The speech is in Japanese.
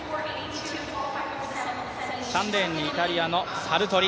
３レーンにイタリアのサルトリ。